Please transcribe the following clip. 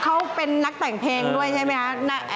เขาเป็นนักแต่งเพลงด้วยใช่ไหมคะ